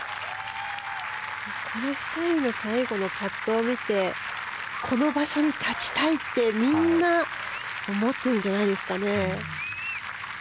この２人の最後のパットを見てこの場所に立ちたいってみんな思ってるんじゃないですかね。